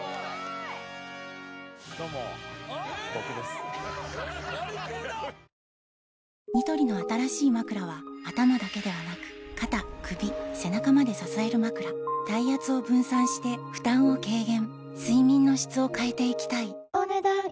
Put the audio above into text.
本麒麟ニトリの新しいまくらは頭だけではなく肩・首・背中まで支えるまくら体圧を分散して負担を軽減睡眠の質を変えていきたいお、ねだん以上。